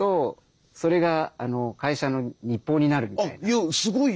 いやすごい。